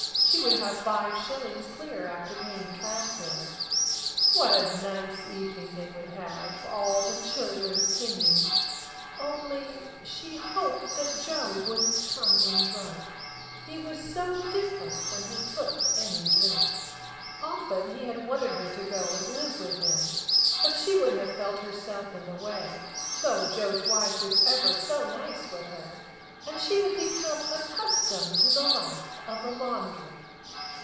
She would have five shillings clear after paying tram fare. What a nice evening they would have, all the children singing! Only she hoped that Joe wouldn't come in drunk. He was so different when he took any drink. Often he had wanted her to go and live with them; but she would have felt herself in the way (though Joe's wife was ever so nice with her) and she had become accustomed to the life of the laundry.